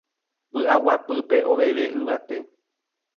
py'aguapýpe oveve yvate